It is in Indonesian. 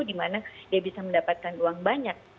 di mana dia bisa mendapatkan uang banyak